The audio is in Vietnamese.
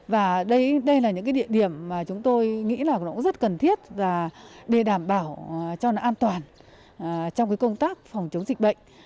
và đây đây là những cái địa điểm mà chúng tôi nghĩ là cũng rất cần thiết và để đảm bảo cho nó an toàn trong công tác phòng chống dịch bệnh